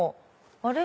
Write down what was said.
あれ？